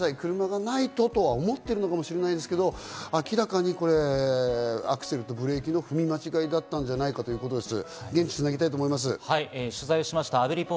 年齢的に９７歳、車がないとと思ってるかもしれないですけれど、明らかにアクセルとブレーキの踏み間違いだったんじゃないかということです。